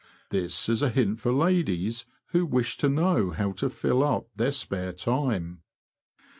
This is a hint for ladies who wish to know how to fill up their spare time.